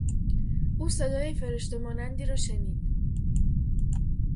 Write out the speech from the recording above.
او صدای فرشته مانندی را شنید.